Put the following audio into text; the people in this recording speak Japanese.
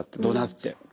どなって。